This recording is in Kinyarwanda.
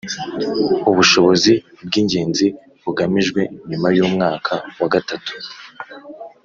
ubushobozi bw’ingenzi bugamijwe nyuma y’umwaka wa gatatu